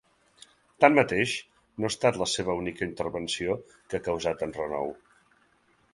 Tanmateix, no ha estat la seva única intervenció que ha causat enrenou.